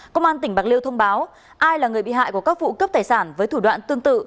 công an tỉnh bạc liêu thông báo ai là người bị hại của các vụ cướp tài sản với thủ đoạn tương tự